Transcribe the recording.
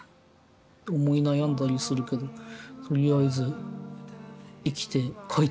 思い悩んだりするけどとりあえず生きて描いてるから。